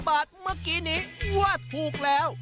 บาทเมื่อกี้นี้ว่าถูกแล้ว